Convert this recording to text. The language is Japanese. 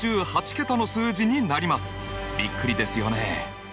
びっくりですよね！